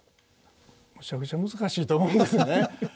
むちゃくちゃ難しいと思いますね。